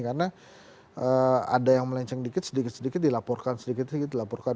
karena ada yang melenceng sedikit sedikit dilaporkan sedikit sedikit